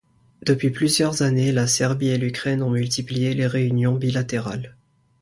Depuis plusieurs années, la Serbie et l'Ukraine ont multiplié les réunions bilatérales.